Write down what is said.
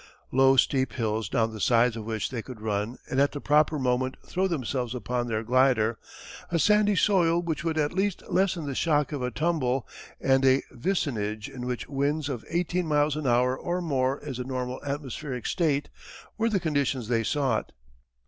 Low steep hills down the sides of which they could run and at the proper moment throw themselves upon their glider; a sandy soil which would at least lessen the shock of a tumble; and a vicinage in which winds of eighteen miles an hour or more is the normal atmospheric state were the conditions they sought.